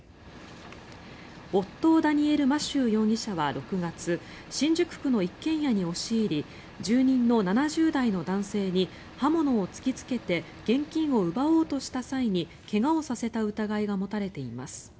オットー・ダニエル・マシュー容疑者は６月新宿区の一軒家に押し入り住人の７０代の男性に刃物を突きつけて現金を奪おうとした際に怪我をさせた疑いが持たれています。